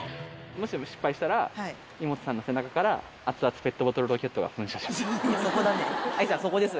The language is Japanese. もし失敗したら、イモトさんの背中から、熱々ペットボトルロケットが噴射します。